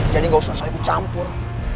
jadi ga usah saya kucampur